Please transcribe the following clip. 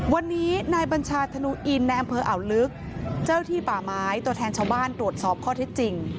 วันนี้นายบัญชาธนูอินในอำเภออ่าวลึกเจ้าที่ป่าไม้ตัวแทนชาวบ้านตรวจสอบข้อที่จริง